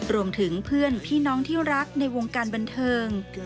รวมถึงเพื่อนพี่น้องที่รักในวงการบันเทิง